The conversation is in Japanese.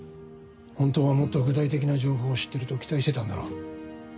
本当はもっと具体的な情報を知ってると期待してたんだろう。